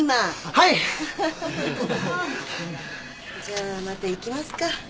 じゃあまた行きますか。